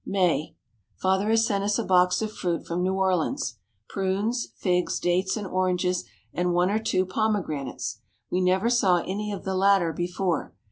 May. Father has sent us a box of fruit from New Orleans. Prunes, figs, dates and oranges, and one or two pomegranates. We never saw any of the latter before.